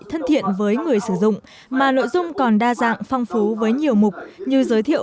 thân thiện với người sử dụng mà nội dung còn đa dạng phong phú với nhiều mục như giới thiệu